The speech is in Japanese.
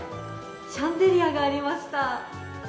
シャンデリアがありました。